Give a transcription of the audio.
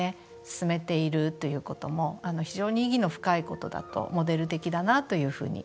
進めているということも非常に意義の深いことだとモデル的だなというふうに。